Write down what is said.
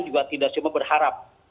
juga tidak cuma berharap